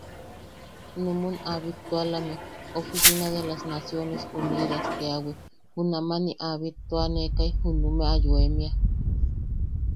numun a bittualame oficina de las naciones unidas teawi junamani a bittuanekai junumeʼe yoemia,.